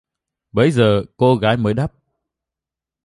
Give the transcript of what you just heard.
Bấy giờ cô gái mới đáp